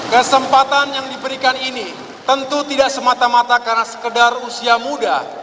kesempatan yang diberikan ini tentu tidak semata mata karena sekedar usia muda